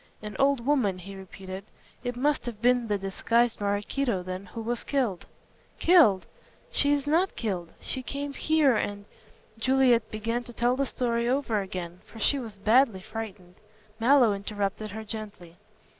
"An old woman," he repeated, "it must have been the disguised Maraquito then who was killed." "Killed! She is not killed. She came here and " Juliet began to tell the story over again, for she was badly frightened. Mallow interrupted her gently.